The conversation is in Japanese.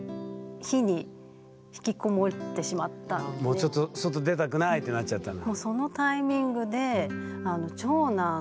もうちょっと「外出たくない」ってなっちゃったんだ。